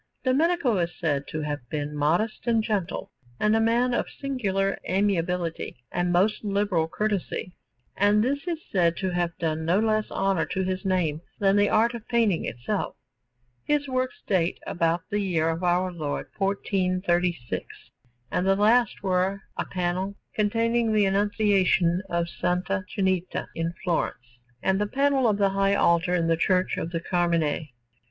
Domenico is said to have been modest and gentle, and a man of singular amiability and most liberal courtesy; and this is said to have done no less honour to his name than the art of painting itself. His works date about the year of our Lord 1436, and the last were a panel containing an Annunciation in S. Trinita in Florence, and the panel of the high altar in the Church of the Carmine.